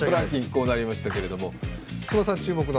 こうなりましたけれども。